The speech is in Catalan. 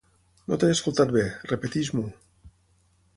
No t'he escoltat bé; repeteix-m'ho.